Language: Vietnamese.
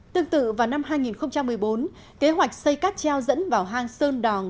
tương tự vào năm hai nghìn một mươi bốn kế hoạch xây cáp treo dẫn vào hang sơn đòn